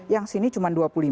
yang sini cuma dua puluh lima